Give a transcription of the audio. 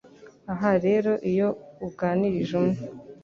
Aha rero iyo uganirije umwe